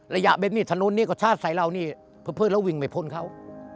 ระยะเบิ้ลนี่ถนนนี่ก็ชาติใส่เรานี่เพื่อแล้ววิ่งไปพ้นเขา